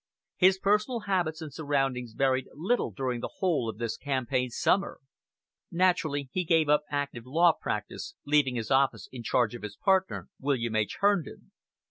His personal habits and surroundings varied little during the whole of this campaign summer. Naturally he gave up active law practice, leaving his office in charge of his partner, William H. Herndon.